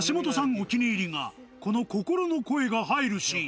お気に入りがこの心の声が入るシーン